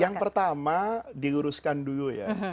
yang pertama diluruskan dulu ya